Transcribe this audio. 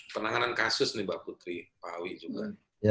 penanganan kasus nih mbak putri pak awi juga